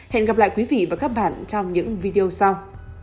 hẹn gặp lại quý vị và các bạn trong những video sau